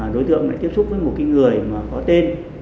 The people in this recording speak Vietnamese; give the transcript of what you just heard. đối tượng lại tiếp xúc với một người mà có tên